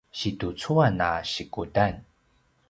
situcuan a sikudan